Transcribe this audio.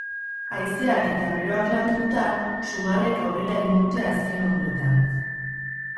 Haizeak eta beroak lagunduta, sugarrek aurrera egin dute azken orduetan.